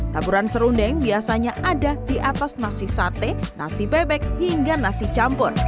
taburan serundeng biasanya ada di atas nasi sate nasi bebek hingga nasi campur